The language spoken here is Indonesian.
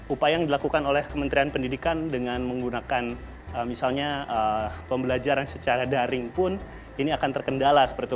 upaya yang dilakukan oleh kementerian pendidikan dengan menggunakan misalnya pembelajaran secara daring pun ini akan terkendala seperti itu